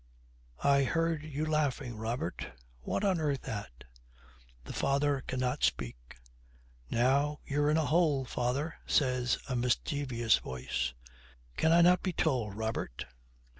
'I heard you laughing, Robert; what on earth at?' The father cannot speak. 'Now you're in a hole, father!' says a mischievous, voice. 'Can I not be told, Robert?'